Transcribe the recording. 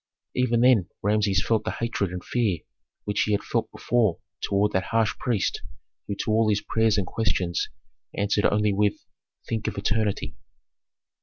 Even then Rameses felt the hatred and fear which he had felt before toward that harsh priest who to all his prayers and questions answered only with, "Think of eternity."